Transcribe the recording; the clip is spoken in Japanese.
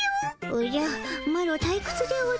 おじゃマロたいくつでおじゃる。